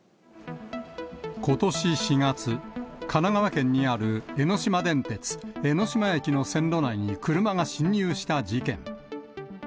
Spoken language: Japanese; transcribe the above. ことし４月、神奈川県にある江ノ島電鉄江ノ島駅の線路内に車が進入した事件。